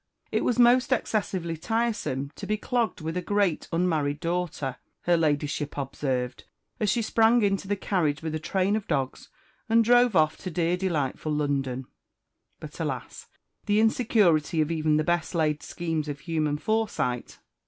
"It was most excessively tiresome to be clogged with a great unmarried daughter," her Ladyship observed, as she sprang into the carriage with a train of dogs, and drove off to dear delightful London. But, alas! the insecurity of even the best laid schemes of human foresight!